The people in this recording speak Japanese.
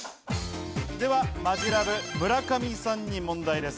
マヂラブ村上さんに問題です。